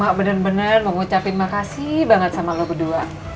mak bener bener mau ngucapin makasih banget sama lo berdua